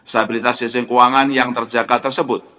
stabilitas sistem keuangan yang terjaga tersebut